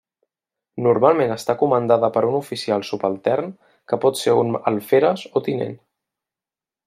Normalment està comandada per un oficial subaltern que pot ser un alferes o tinent.